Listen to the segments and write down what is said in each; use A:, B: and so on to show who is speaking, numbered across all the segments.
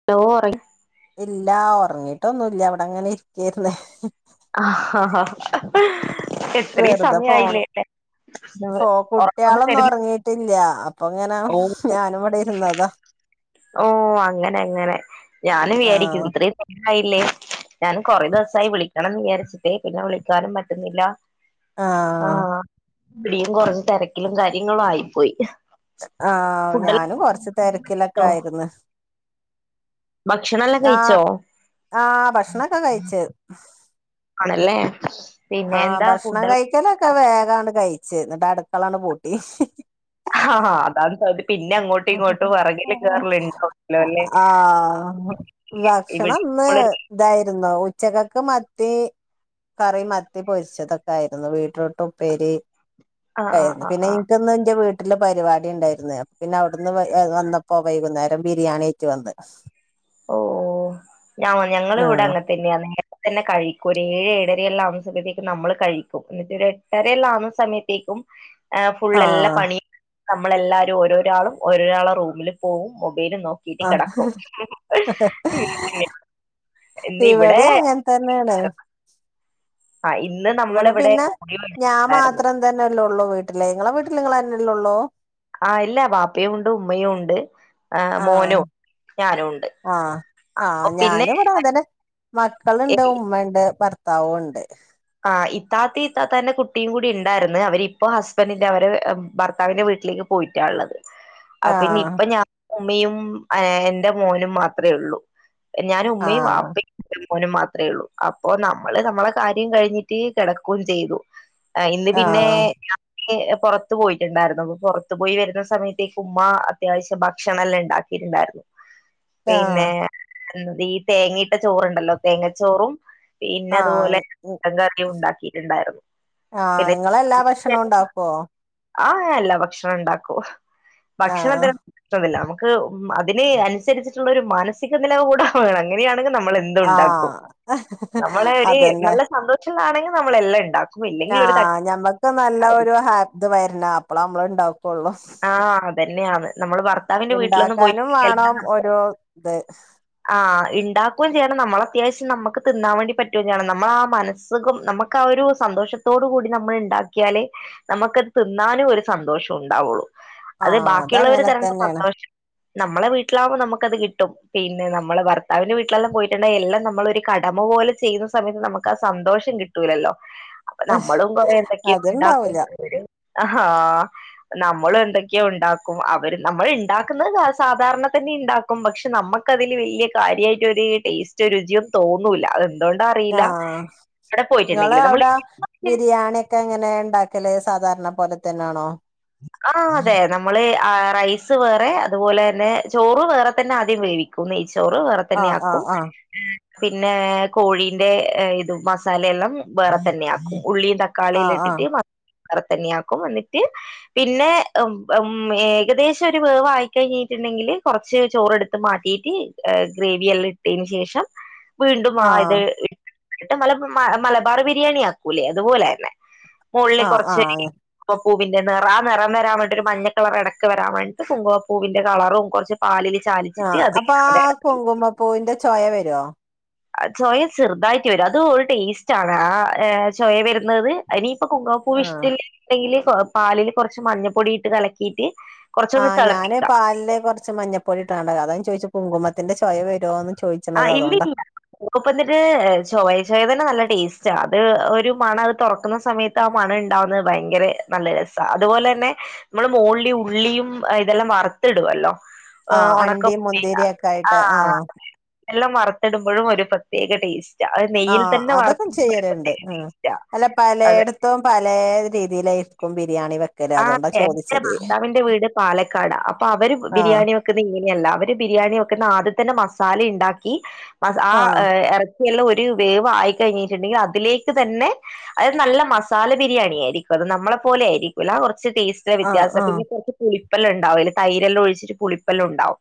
A: [unintelligible]
B: ഇല്ല ഒറങ്ങിട്ടൊന്നുല്ല ഇവിടെ ഇങ്ങനെ ഇരിക്കാരുന്നേ
A: ആ ആാ [unintelligible]
B: വെറുതെ ഫോണ് ഫോ
A: ഒറക്കം
B: കുട്ട്യാളൊന്നും
A: വരുന്നു
B: ഒറങ്ങി ട്ടില്ല അപ്പൊ ഇങ്ങനെ
A: ഓ
B: ഞാനും ഇവിടെ ഇരുന്നതാ
A: ഓഹ് അങ്ങനെ അങ്ങനെ ഞാന് വേടിക്കും
B: ആഹ്
A: ഇത്രേം ആയില്ലേ ഞാന് കൊറെ ദിവസായി വിളിക്കണന്ന് വിചാരിച്ചിട്ട് പിന്നെ വിളിക്കാനും പറ്റുന്നില്ല ആഹ് [unintelligible] കൊറഞ്ഞ് തെരക്കിലും കാര്യങ്ങളും ആയിപ്പോയി
B: ആഹ്
A: ഫുഡെല്ലാം
B: ഞാനും കൊറച്ച് തെരക്കിലൊക്കെ
A: കഴിച്ചോ
B: ആയിരുന്ന്
A: ഭക്ഷണം എല്ലം കഴിച്ചോ
B: ആഹ് ആഹ് ഭക്ഷണൊക്കെ കഴിച്ച്
A: ആണല്ലേ പിന്നെ
B: ആഹ്
A: എന്താ
B: ഭക്ഷണം
A: ഫുഡെല്ലാം
B: കഴിക്കലൊക്കെ വേഗാണ് കഴിച്ച് എന്നിട്ട് അടുക്കളാണ് പൂട്ടി
A: അതാണ് [unintelligible] ഇങ്ങോട്ടും വെറകില് കേറലുണ്ടാവല്ലോ അല്ലേ
B: ആഹ്
A: ഇവിടെ
B: ഭക്ഷണന്ന് ഇതായിരുന്നു ഉച്ചക്കക്ക് മത്തി കറി മത്തി പൊരിച്ചതൊക്കെ ആയിരുന്നു ബീറ്റ്റൂട്ട് ഉപ്പേരി
A: ആഹ് ആഹ്
B: ക്കായിരുന്നു
A: ആഹ്
B: പിന്നെ
A: ആഹ്
B: ഇന്ക്ക്ന്ന് ഇൻ്റെ വീട്ട് ട്ടില് പരിപാടി ഇണ്ടായിരുന്നു അപ്പ പിന്നെ അവിടുന്ന് വ വന്നപ്പോ വൈകുന്നേരം ബിരിയാണി ആയിറ്റ് വന്ന്
A: ഓഹ് ഞാ ഞങ്ങളിവിടെ
B: ആഹ്
A: അങ്ങൻ തന്നെയാ നേരത്തെ തന്നെ കഴിക്കും ഒരു ഏഴ് ഏഴരെയെല്ലാം ആവുമ്പത്തേക്ക് നമ്മള് കഴിക്കും എന്നിട്ട് ഒരു എ എട്ടെരെയെല്ലാം ആവുന്ന സമയത്തേക്കും ആഹ് ഫുൾ എല്ലാ
B: ആഹ്
A: പണിയും നമ്മളെല്ലാവരും ഓരോരാളും ഓരോരാളെ റൂമില് പോവും മൊബൈല് നോക്ക് ക്കീട്ട് കെടക്കും ഇന്ന് ഇവിടെ
B: ഇവടേം അങ്ങനെ തന്നാണ്
A: ആഹ് ഇന്ന് ന
B: ഇവിടെ പിന്നെ ഞാൻ മാത്രം തന്നെല്ലൊള്ളു വീട്ടില് ഇങ്ങളെ വീട്ടില് ഇങ്ങള് തന്നെല്ലെ ഉള്ളു?
A: ആഹ് ഇല്ല ബാപ്പയും ഉണ്ട് ഉമ്മയും ഉണ്ട് ആഹ് മോനും ഞാനും ഉണ്ട്
B: ആഹ് ആഹ് ഞാനു
A: പിന്നെ
B: ഇവിടെ അങ്ങൻതന്നെ മക്കളുണ്ട് ഉമ്മണ്ട് ഭർ ത്താവു ഉണ്ട്
A: ആഹ് ഇത്താത്തിം ഇത്താത്താന്റെ കുട്ടിയും കൂടി ഇണ്ടായിരുന്നു അവരിപ്പോ ഹസ്ബൻഡിന്റെ അവര് ഭർത്താവിന്റെ വീട്ടിലേക്ക് പോയിറ്റാള്ളത് ആഹ് പിന്നെ ഇപ്പ ഞാനും ഉമ്മയും ഏഹ് എൻ്റെ മോനും മാത്രേ ഒള്ളൂ ഞാനു ഉമ്മയും
B: ആഹ്
A: വാപ്പിം മോനും മാത്രെള്ളൂ. അപ്പൊ നമ്മള് നമ്മളെ കാര്യ കഴിഞ്ഞിട്ട് കെടക്കും ചെയ്തു. അഹ് ഇന്ന് പിന്നെ
B: ആഹ്
A: ഏഹ് പൊറത്ത് പോയിട്ട്ണ്ടായിരുന്നു. അപ്പൊ പൊറത്ത് പോയി വര്ന്ന സമയത്തേക്ക് ഉമ്മാ അത്യാവശ്യം ഭക്ഷണം എല്ലണ്ടാക് ഇണ്ടായിരുന്നു. പിന്നേ,
B: ആഹ്
A: എന്ത ഈ തേങ്ങയിട്ട ചോറ്ണ്ടല്ലോ? തേങ്ങച്ചോറും പിന്നെ അത്പോലെ
B: ആഹ്
A: [unintelligible] ഉണ്ടാക്കീട്ടുണ്ടായിരുന്നു.
B: ആഹ്
A: പിന്നെ
B: നിങ്ങളെല്ലാ ഭക്ഷണവും
A: [unintelligible]
B: ഉണ്ടാക്കുവോ
A: ആഹ് എല്ലാ ഭക്ഷണോ ഇണ്ടാക്കൂ.
B: ആഹ്
A: ഭക്ഷണന്തിനു ന്ത്രമില്ല. നമ്ക്ക് അതിന് അന്സരിച്ചിട്ട്ള്ള ഒരു മാനസിക നിലവ് കൂടെ വേണം. അങ്ങനെയാണെങ്കി നമ്മള് എന്ത് ഇണ്ടാക്കു.
B: ആഹ്
A: നമ്മള് ഒരു
B: അതന്നെ
A: നല്ല സന്തോഷള്ളാണെങ്കി നമ്മളെല്ലണ്ടാക്
B: ആഹ് ഞമ്മക്ക് നല്ല ഒരു ഹാ, ഇത് വരണം. അപ്പളാ നമ്മള്ണ്ടാക്
A: ആഹ് അതന്നെയാന്ന്. നമ്മള് ഭർത്താവിന്റെ വീട്ടിലൊന്നും
B: ഇണ്ടാക്കാനും വേണം
A: പോയിരിക്കലൊന്നും [inaudible]
B: ഒരു ഇത്
A: ആഹ് ഇണ്ടാക്കൂ ചെയ്യണം, നമ്മളത്യാവശ്യം നമുക്ക് തിന്നാൻ വേണ്ടി പറ്റൂം ചെയ്യണം. നമ്മളാ മനസ്സുഖം നമക് ക്കാ ഒരു സന്തോഷത്തോട് കൂടി നമ്മൾ ഇണ്ടാക്കിയാലേ നമുക്ക് തിന്നാനും ഒരു സന്തോഷ ണ്ടാവൂള്ളു. അത്
B: ആഹ്
A: ബാക്കിയുള്ളവര്
B: അതങ്ങനെ
A: തരണ്ട,
B: തന്നെയാണ്
A: ഭർത്താവ് [inaudible] നമ്മള വീട്ടിലാകുമ്പോ നമുക്കത് കിട്ടും. പിന്നെ നമ്മള് ഭർത്താവിന്റെ വീട്ടിലെല്ലം പോയിട്ടുണ്ടെങ്കി എല്ലം നമ്മള് ഒരു കടമ പോലെ ചെയ്യുന്ന സമയത്ത് നമക് ക്കാ സന്തോഷം കിട്ടൂലല്ലോ? അപ്പൊ നമ്മളും കൊറേ എന്തൊക്കെയോ
B: അത്ണ്ടാവൂല
A: ഇണ്ടാക്കേണ്ടി വരും. ഹാ നമ്മളു എന്തൊക്കെയാ ഇണ്ടാക്കും. അവര്, നമ്മള് ഇണ്ടാക്ക്ന്നത് സാധാരണ തന്നെയാ ഇണ്ടാ ക്കും. പക്ഷെ നമ്മക്കതില് വല്യ കാര്യായിട്ടൊരു ടേസ്റ്റ് രുചിയൊന്നും തോന്നൂല. അതെന്ത്
B: ആഹ് നിങ്ങള്
A: നമ്മൾ
B: അവിടെ ബിരിയാണിയക് ക്കെ എങ്ങനേ ഇണ്ടാക്കല്? സാധാരണ പോലെ തന്നാണോ?
A: ആഹ് അതെ. നമ്മള് റൈസ് വേറെ അതുപോലെന്നെ ചോറ് വേറെ തന്നെ ആദ്യം വേവിക് നെയ്ച്ചോറ് വേറെ തന്നെ
B: ആഹ് ആഹ്
A: ആക്കും
B: ആഹ്
A: പിന്നെ കോഴീന്റെ ഇത് മസാലെയെല്ലം വേറെ തന്നെ ആക്കും ഉള്ളിയും തക് ക്കാളിയെല്ലം
B: ആഹ്
A: ഇട്ടിട്ട് [inaudible] വേറെ തന്നെയാക്കും. എന്നിട്ട് പിന്നെ ഉം, ഏകദേശം ഒരു വേവ് ആയി കഴിഞ്ഞിട്ട്ണ്ടെങ്കില് കൊറച്ച് ചോറെട്ത്ത് മാറ്റീറ്റ് ഈഹ് ഗ്രേവിയെല്ലം ഇട്ടേന് ശേഷം വീണ്ടും ആ
B: ആഹ്
A: ഇത് ഇട്ട് മല മലബാർ ബിരിയാണി ആക്കൂലേ? അതുപോലെന്നെ. മോൾല്
B: ആഹ് ആഹ്
A: കൊർച്ചൊരു
B: ആഹ്
A: കുങ്കുമപ്പൂവിന്റെ നെറാ നെറം വരാവേണ്ടിയൊരു മഞ്ഞക്കളർ എടക്ക് വരാൻ വേണ്ടിട്ട് കുങ്കുമപ്പൂവിന്റെ കളറും കൊർച്ച് പാലില് ചാലിച്ചിട്ട്
B: ആഹ്
A: അതില്
B: അപ്പൊ ആ
A: [unintelligible]
B: കുങ്കുമപ്പൂവിന്റെ ചൊയ വെരോ?
A: ചൊയ ചെർതായിട്ട് വരു. അത് ഒരു ടേസ്റ്റാണ് ആ ചൊയ വെര്ന്നത്. ഇനിയിപ്പം കുങ്കുമപ്പൂവ്
B: ആഹ്
A: ഇഷ്ടല്ലണ്ടെങ്കില് പാലില് കൊറച്ച് മഞ്ഞപ്പൊടി ഇട്ട് കലക്കീറ്റ്
B: ആഹ് ഞാന് പാലില് കൊറച്ച് മഞ്ഞപ്പൊടിട്ടാണ്ട. അതാ ഞാൻ ചോയ്ച്ചെ കുങ്കുമത്തിന്റെ ചൊയ വരോന്ന് ചോയ്
A: ആഹ് ഇല്ലില്ല. കുങ്കുമത്തിന് ചൊവ ഷേവന്റെ നല്ല ടേസ്റ്റാ. അത് ഒരു മണാ അത് തൊറക്ക്ന്ന സമയ ത്താ മണണ്ടാവ്ന്നത് ഭയങ്കര നല്ല രസാ. അതുപോലന്നെ ഇമ്മള് മോൾലീ ഉള്ളിയും ഇതെല്ലം വറ്ത്തിടുവല്ലോ? ആഹ്
B: അണ്ടിയും
A: ഒണക്കമുന്തിരിങ്ങ,
B: മുന്തിരിയും ഒക്കെ ആയിട്ട്
A: ആഹ്. എല്ലം വറ്ത്തിട്മ്പഴും ഒരു പ്രത്യേക ടേസ്
B: ആഹ് അതൊക്കെ ചെയ്യലിണ്ട് ഈഹ്.
A: ടേസ്റ്റാ
B: അല്ല
A: അത്
B: പലേടത് ത്തും പലേ രീതീലായിരിക്കും ബിരിയാണി വെക്
A: ആഹ് എന്റെ ഭർത്താവിന്റെ വീട് പാലക്കാടാ. അപ്പൊ അവര്
B: ആഹ്
A: ബിരിയാണി വെക് ക്ക്ന്നെ ഇങ്ങനെയല്ല. അവര് ബിരിയാണി വെക്ക്ന്നെ ആദ്യത്തന്നെ മസാലയിണ്ടാക്കി ആഹ് എറ ഇള്ള ഒരു വേവായി കഴിഞ്ഞിട്ട്ണ്ടെങ്കി അതിലേക്ക് തന്നെ അത് നല്ല മസാല ബിരിയാണി ആയിരിക്കു. അത് നമ്മളെ പോലെ ആയിരി വല്ലാ കൊറച്ച്ടേസ്റ്റില്
B: ആഹ് ആഹ്
A: വ്യത്യാസതിന്റെ കൊറച്ച് പുളിപ്പെല്ലാംണ്ടാവും അയ്‌ല് തൈരെല്ലാം ഒഴിച്ചിട്ട് പുളിപ്പെല്ലാംണ്ടാവും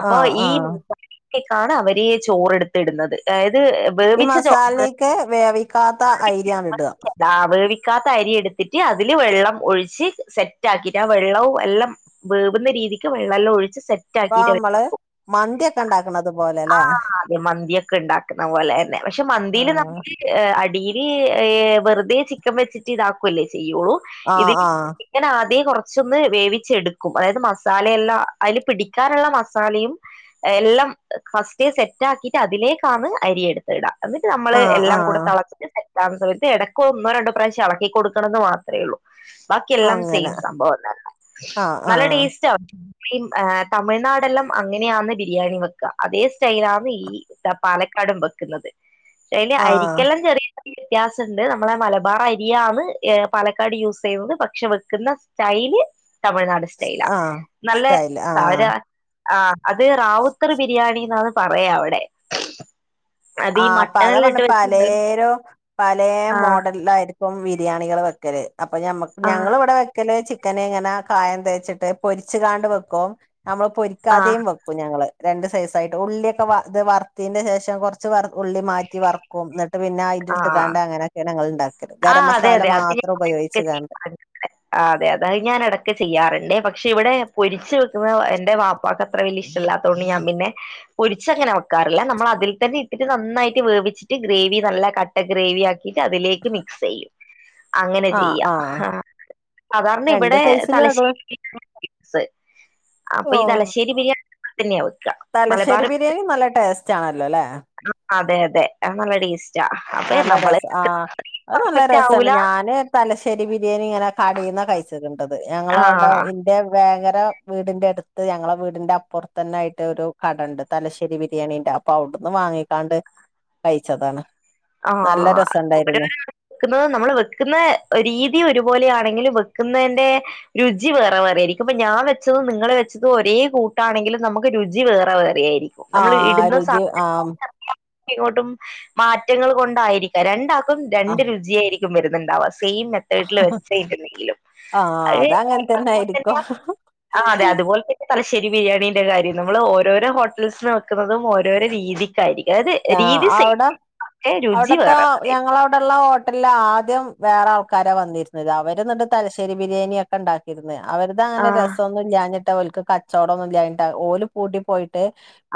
A: അപ്പൊ
B: ആഹ് ആഹ്
A: ഈഹ് [unintelligible] ക്കാണ് അവര് ചോറെടുത്തിടുന്നത് അതായത്
B: ഈ
A: വേവിച്ച ചോറ്
B: മസാലേക്ക് വേവിക്കാത്ത അയ്രാണ് ട
A: ആഹ് വേവിക്കാത്ത അരി എടുത്തിട്ട് അതില് വെള്ളം ഒഴിച്ച് സെറ്റ് ആക്കിട്ട് ആ വെള്ളവും എല്ലാം വേവുന്ന രീതിക്ക് വെള്ളം എല്ലാം ഒഴിച്ച് സെറ്റ്
B: ഇപ്പ
A: ആക്കിയിട്ട്
B: മ്മള് മന്തിയൊക്കെ ഉണ്ടാക്കണതു പോലെല്ലെ
A: ആഹ് മന്തിയൊക്കെ ഉണ്ടാക്കുന്ന പോലെന്നെ പക്ഷെ മന്തിയിൽ
B: ആഹ്
A: നമ്മുക്ക് എഹ് അടിയിൽ എഹ് വെറുതെ ചി ക്കം വെച്ചിട്ട് ഇതാക്കൂല്ലേ ചെയ്യുള്ളൂ
B: ആഹ്
A: ഇതില്
B: ആഹ്
A: ക്കനാദ്യേ കൊറച്ചൊന്ന് വേവിച്ചെടുക്കും അതായത് മസാലയല്ല അയ്ല് പിടിക്കാനുള്ള മസാലയും എല്ലം ഫസ്റ്റ് സെറ്റ് ആക്കിട്ട് അതിലേക്കാണ് അരിയെടുത്ത്ടാ എന്നിട്ട് നമ്മള്
B: ആഹ്
A: എല്ലാം കൂടെ
B: ആഹ്
A: തെളച്ചിട്ട് സെ ഭാഗ സമയത്ത് എടക്ക് ഒന്നോ രണ്ടോ പ്രാശ്യം എളക്കി കൊടുക്കണന്ന് മാത്രേള്ളൂ ബാക്കിയെല്ലാം
B: അങ്ങനെ
A: സെയിം സംഭവംതന്നെ
B: ആഹ്
A: നല്ല
B: ആഹ്
A: ടേസ്റ്റാ വിം ഏഹ് തമിഴ്നാടെല്ലാം അങ്ങനെയാന്ന് ബിരിയാണി വെ ക്ക അതേ സ്റ്റൈലാന്ന് ഈ പാലക്കാടും ബെക്ക്ന്നത് ക്ഷയ്ല്
B: ആഹ്
A: അരിക്കല്ലം ചെറിയ ത്യാസണ്ട് നമ്മളെ മലബാർ അരിയാന് എഹ് പാലക്കാട് യൂസെയ്യുന്നത് പക്ഷെ വെക്കുന്ന സ്റ്റൈല് തമിഴ്നാട് സ്റ്റൈലാ
B: ആഹ്
A: നല്ല
B: സ്റ്റൈല്
A: സാവര
B: ആഹ്
A: ആഹ് അത് റാവുത്തർ ബിരിയാണിന്നാണ് പറയാ അവടെ
B: ആഹ് പ്പതാപർഞ്ഞെ പലേരും പലേ
A: ആ
B: മോഡല്ലായിര് പ്പം ബിരിയാണികൾ വെക്കല് അപ്പൊ ഞമ്മക്ക്
A: ആ
B: ഞങ്ങളിവിടെ ക്കല് ചിക്കന്ങ്ങനെ കായം തേച്ചിട്ട് പൊരിച്ച്കാണ്ട് വെക്കും നമ്മള്
A: ആ
B: പൊരിക്കാതെയും വെ ക്കും ഞങ്ങള് രണ്ട് സൈസായിട്ട് ഉള്ളിയൊക്കെ ഇത് വർത്തീന്റെ ശേഷം കൊർച്ച് ഉള്ളി മാറ്റി വർ ക്കും ന്നട്ട് പിന്നെ
A: ആ
B: അയ്ന്റ്ട്ട്കാണ്ട് അങ്ങനെക്കെണ് ഞങ്ങള്ണ്ടാക്കല്.
A: ആ
B: ഗരം
A: അതെ
B: മസാല
A: അതെ അത്
B: മാത്രം ഉപയോഗിച്ച് കാണ്ട്
A: ഞാൻ അതെ അതെ അയ്ഞാനെടക്ക് ചെയ്യാറ്ണ്ടെ പക്ഷെ ഇവിടെ പൊരിച്ചു വെക്കുന്നത് എന്റെ വാ പ്പാക്കത്ര വല്യ ഇഷ്ടലാത്തോണ്ട് ഞാം പിന്നെ പൊരിച്ചങ്ങനെ വെ ക്കാറില്ല നമ്മൾ അതിൽ തന്നെ ഇട്ട് നന്നായിട്ട് വേവിച്ചിട്ട് ഗ്രേവി നല്ല കട്ട ഗ്രേവി ആക്കി അതിലേക്ക് മിക്സെയ്യും അങ്ങനെ
B: ആഹ്
A: ചെയ്യ
B: ആഹ്
A: സാധാരണ
B: രണ്ട്
A: ഇവിടെ
B: സൈസിലും ആഹ്
A: തലശ്ശേരി [unintelligible] സ് അപ്പൊ ഈ തലശേരി ബിരിയാ തെന്യ വെക്ക
B: തലശ്ശേരി ബിരിയാണി നല്ല ടേസ്റ്റാണല്ലോ ല്ലേ?
A: ളം അതെ അതെ അഹ് നല്ല ടേസ്റ്റാ അപ്പൊ
B: നല്ല
A: നമ്മള്
B: രസം ആഹ് അത് നല്ല
A: പെർഫെക്റ്റ്
B: രസണ്
A: ആവൂല
B: ഞാന് തലശ്ശേരി ബിരിയാണി ഇങ്ങനെ കടേന്ന കഴി ച്ച്ക്ണ്ടത്
A: ആ
B: ഞങ്ങളവിടെ ഇൻ ന്റെ വേങ്ങര വീടിന്റെറടുത്ത് ഞങ്ങളെ വീടിന്റെ അപ്പുറത്തന്നൊയിട്ട് ഒരു കടണ്ട് തലശ്ശേരി ബിരിയാണീന്റെ പൗട്ന്ന് വാങ്ങിക്കാണ്ട് കഴിച്ചതാണ് നല്ല
A: ആഹ്
B: രസണ്ടായിരുന്നു
A: [unintelligible] ക്കുന്നത് നമ്മൾ വെക്കുന്ന രീതി ഒരുപോലൊണെങ്കിലും വെക്കുന്നന്റെ രുചി വേറെ വേറെ ആയിരിക്കും ഇപ്പൊ ഞാൻ വെച്ചത് നിങ്ങളെ വെച്ചത് ഒരേ കൂട്ടാണെങ്കിലും നമുക്ക് രുചി വേറെ വേറെ ആയിരി നമ്മൾ
B: ആഹ്
A: ഇടുന്ന സാ
B: രുചി ആഹ്
A: [inaudible] ഇങ്ങോട്ടും മാറ്റങ്ങൾ കൊണ്ടായിരി രണ്ടാക്കും രണ്ട് രുചിയായിരിക്കും വരുന്നുണ്ടാവാ സെയിംന
B: ആഹ്
A: വീട്ടില്
B: അതങ്ങനെ തന്നെ
A: [unintelligible]
B: ആയിരിക്കും
A: ആഹ് അതെ അതുപോൽതന്നെ തലശ്ശേരിബിരിയാണിന്റെ കാര്യം നമ്മള് ഓരോരോ ഹോട്ടൽസ് നെക്കുന്നതും ഓരോരോ രീതി [unintelligible] രീതി സെ
B: അവിടതാ ഞ ങ്ങളോടള്ള ഹോട്ടൽലാദ്യം വേറെ ആൾക്കാരെ വന്നിരുന്നത് അവര്ന്നണ്ട് തലശ്ശേരി ബിരിയാണിയൊ ക്കെ ണ്ടാക്കിര്ന്ന് അവർത
A: ആ
B: അങ്ങനെ രസംന്നും ഞാഞ്ഞി ട്ടോൽക്ക് കച്ചവടം ഒന്നുല്ല്യാൻട്ട് ഓല് പൂട്ടി പോയിട്ട്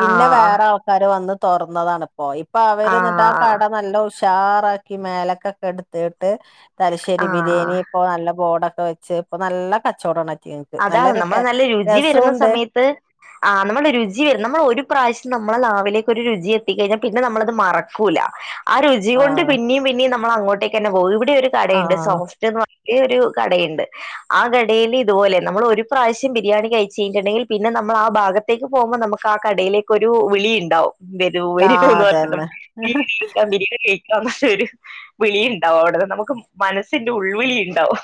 B: പിന്നെ
A: ആ
B: വേറെ ആൾക്കാര് വന്ന് തൊറ ന്നതണിപ്പോ ഇപ്പൊ അവര് ന്നിട്ട് ആ
A: ആഹ്
B: കട നല്ല ഉഷ് ചാറാക്കി മേലക്കൊക്കെ എടുത്തിട്ട് തലശ്ശേരി
A: ആഹ്
B: ബിരിയാണി ഇപ്പൊ നല്ല ബോഡൊക്കെ വെച്ച് ഇപ്പൊ നല്ല കച്ചോടം ഒണക്യേ
A: അതാണ് നമ്മൾ നല്ല രുചി വരുന്ന സമയത്ത് ആഹ് നമ്മള് രുചി വരണം നമ്മള് ഒരു പ്രാശ്യം നമ്മൾ നാവിലേക്ക് ഒരു രുചി എത്തിക്കഴിഞ്ഞാ പിന്നെ നമ്മളത് മറക് ക്കൂല ആ രുചി കൊണ്ട് പിന്നെയും പിന്നെയും നമ്മൾ അങ്ങോട്ടേക്ക് തന്നെ പോകും ഇവിടേം ഒരു
B: ആ
A: കടയുണ്ട് സോഫ് റ്റ് ന്ന് പറഞ്ഞിട്ട് ഒരു കടേണ്ട് ആ കടയിൽ ഇതുപോലെ നമ്മൾ ഒരു പ്രാശ്യം ബിരിയാണി കയിച്ചു കയിഞ്ഞിട്ടുണ്ടെങ്കിൽ പിന്നെ നമ്മളാ ഭാഗത്തേക്ക് പോകുമ്പോ നമുക്ക് കടേലേക് ക്കൊരു വിളി ഇണ്ടാവും വരൂ
B: ആ
A: വരൂ ന്ന് പറഞ്ഞിട്ട്
B: അതന്നെ
A: [unintelligible] വിളീണ്ടാവും അവിടന്ന് നമുക്ക് മനസ്സിന്റെ ഉൾവിളി ഇണ്ടാവും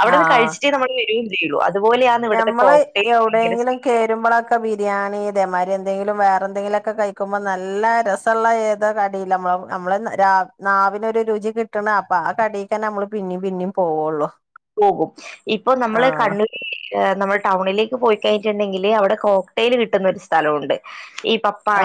A: അവിടുന്ന്
B: ആ
A: കഴിച്ചിട്ടേ നമ്മള് വരൂം ചെയ്യുള്ളൂ അതുപോലെയാ
B: ഞമ്മള് എവിടെയെങ്കിലും കേ രുമ്പോളൊക്കെ ബിരിയാണി ഇതേമാതിരി എന്തെങ്കിലും വേറെന്തങ്കിലൊക്കെ കഴിക്കുമ്പോ നല്ല രസ് സള്ള ഏതാ കടീല് നമ്മ നമ്മള് നാവിനൊരു രുചി കിട്ടണ അപ്പൊ ആ കടി ക്കന്നെ നമ്മള് പിന്നേം പിന്നേം പോവുള്ളു
A: പോകും ഇപ്പൊ നമ്മള്
B: ആഹ്
A: കണ്ണൂർ നമ്മൾ ടൗണിലേക്ക് പോയി കഴിഞ്ഞിട്ടുണ്ടെങ്കില് അവിടെ കോക്ടെയ്ൽ കിട്ടുന്ന ഒരു സ്ഥലമുണ്ട് ഈ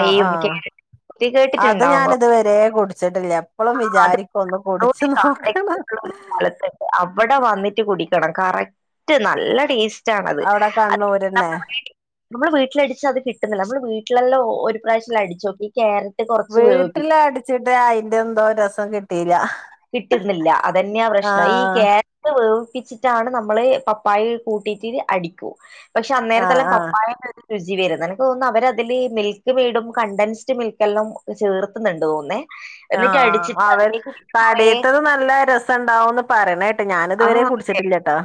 B: ആഹ് ആഹ്
A: ക്യാരറ്റും കേട്ടിട്ടുണ്ടാവോ
B: തേ കുടിച്ചിട്ടില്ല എപ്പളും വിചാരിക്കും ഒന്ന് കുടിച്ച് നോക്കണം
A: സ്ഥലത്തുണ്ട് അവിടെ വന്നിട്ട് കുടിക്കണം കറക്റ്റ് നല്ല ടേസ് റ്റാണത്
B: അവിടെ കണ്ണൂരന്നെ
A: നമ്മൾ വീട്ടിലടിച്ചാ അത് കിട്ടുന്നില്ല നമ്മള് വീട്ടിലെല്ലോ ഒരു പ്രാവശ്യല്ല അടിച്ചോക്കി ഈ ക്യാരറ്റ് കുറച്ച് വേവിപ്പിക്കും
B: വീട്ടില് അടിച്ചിട്ട് അയിന്റെ എന്തോ രസം കിട്ടീല്ല
A: കിട്ടുന്നില്ല അതന്നെയാ പ്രശ്നം ഈ ക്യാ രറ്റ് വേവിപ്പിച്ചിട്ടാണ് നമ്മള് പപ്പായ കൂട്ടിട്ട് അടിക്കൂ പക്ഷെ
B: ആഹ്
A: അന്നേരത്തെല്ലാം
B: ആഹ്
A: പപ്പായ [unintelligible] രുചി വരുന്നു എനിക്ക് തോന്നുന്നു അവരതില് മിൽക്ക് മെയ്ഡും കണ്ടൻസ്ഡ് മിൽക്കെല്ലാം ചേർത്തുന്നുണ്ട് തോന്നേ എന്നിട്ട്
B: ആഹ്
A: അടിച്ചിട്ട്
B: അവർ
A: അതിലേക്ക്
B: [unintelligible]
A: കുറേ
B: അടിയത്തത് നല്ല രസം ഉണ്ടാവൂന്ന് പറയണ കേട്ട്
A: ആഹ്
B: ഞാനിതുവരെ കുടിച്ചിട്ടില്ല ട്ടോ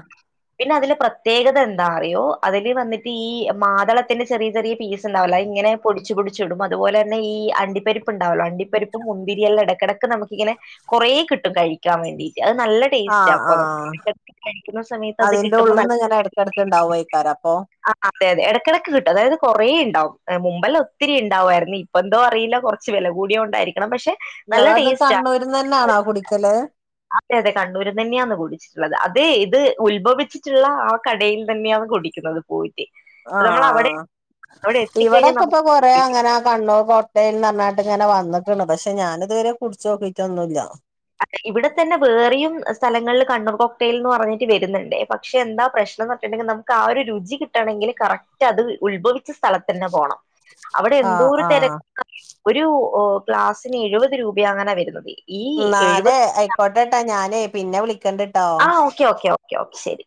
A: പിന്നെ അതില് പ്രത്യേകത എന്താ അറിയോ അതില് വന്നിട്ട് ഈ മാതളത്തിന്റെ ചെറിയ ചെറിയ പീസ് ഉണ്ടാവൂലോ അയിങ്ങനെ പൊടിച്ച് പൊടിച്ച് ഇടും അതുപോലെ തന്നെ ഈ അണ്ടിപ്പരിപ്പ് ഉണ്ടാവല്ലോ അണ്ടിപ്പരിപ്പും മുന്തിരിയെല്ല എടക്കെടക്ക് നമുക്കിങ്ങനെ കൊറേ കിട്ടും കഴിക്കാൻ വേണ്ടിട്ട് അത് നല്ല ടേസ്റ്റാ
B: ആഹ്
A: അപ്പ
B: ആഹ്
A: [unintelligible] കഴിക്കുന്ന സമയത്ത് അത്
B: അതിന്റെ
A: കിട്ടുമ്പോ
B: ഉള്ളുന്ന് ങ്ങനെ ഇടക്കിടക്കുണ്ടാവായ്ക്കാരം അപ്പൊ
A: ആഹ് അതെ അതെ ഇടക്കിടക്ക് കിട്ടും അതായത് കുറേ ഇണ്ടാവും മുമ്പല്ല ഒത്തിരി ഇണ്ടാവ്വായിരുന്നീ ഇപ്പൊന്തോ അറിയില്ല കൊറച്ച് വെല കൂടിയോണ്ടായിരിക്കണം പക്ഷെ നല്ല
B: നിങ്ങളത്
A: ടേസ്റ്റാ
B: കണ്ണൂരിന്ന് തന്നാണോ കുടിക്കല്
A: അതെ അതെ കണ്ണൂരിന്ന് തന്ന്യാന്ന് കുടിച്ചിട്ടുള്ളത് അതെ ഇത് ഉത്ഭവിച്ചിട്ടുള്ള ആ കടയിൽ തന്നെയാണ് കുടിക്കുന്നത് പോയി
B: ആഹ്
A: എത്തിക്കഴിഞ്ഞാൽ
B: ഇവിടൊക്കെ ഇപ്പ
A: നമുക്ക്
B: കൊറേ അങ്ങനെ കണ്ണൂർ കോ ക്ടെയ്ൽന്ന് പറഞ്ഞാട്ട് ങ്ങനെ വന്ന്ക്ക്ണ് പക്ഷെ ഞാനിതുവരെ കുടിച്ച് നോക്കിട്ടൊന്നുല്ല.
A: ഇവിടെ തന്നെ വേറെയും സ്ഥലങ്ങളിൽ കണ്ണൂർ കോക്ടെയിൽ ന്ന് പറഞ്ഞിട്ട് വരുന്നുണ്ട് പക്ഷെ എന്താ പ്രശ്നം ന്നു ണ്ടെങ്കി നമുക്ക് ആ ഒരു രുചി കിട്ടണെങ്കിൽ കറക്റ്റ് അത് ഉത്ഭവിച്ച സ്ഥലത്തന്നെ പോണം. അവിടെ
B: ആഹ്
A: എന്തോരു
B: ആഹ്
A: തിരക്കാന്നറിയോ ഒരു ഗ്ലാസിന് എഴുപത് രൂപ അങ്ങനാ വരുന്നത്. ഈ
B: എന്നാലേ
A: എഴുപത്
B: ആയിക്കോട്ടെട്ടാ ഞാനേ പിന്നെ വിളിക്കണ്ട്ട്ടോ.
A: ആ ഓക്കെ ഓക്കെ ഓക്കെ ഓ ശരി.